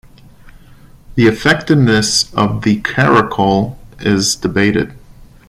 The effectiveness of the caracole is debated.